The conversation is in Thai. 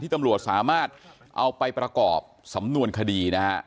ตำรวจสามารถเอาไปประกอบสำนวนคดีนะฮะ